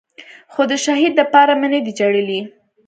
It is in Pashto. خو د شهيد دپاره مې نه دي جړلي.